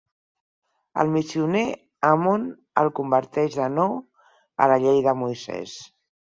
El missioner Ammon el converteix de nou a la Llei de Moisès.